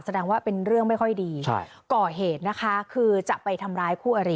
แสดงว่าเป็นเรื่องไม่ค่อยดีใช่ก่อเหตุนะคะคือจะไปทำร้ายคู่อริ